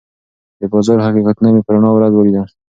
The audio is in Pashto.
د بازار حقیقتونه مې په رڼا ورځ ولیدل.